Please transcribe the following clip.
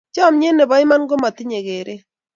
chamyet nopo iman komatinye keret